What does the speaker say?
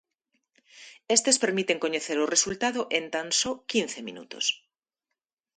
Estes permiten coñecer o resultado en tan só quince minutos.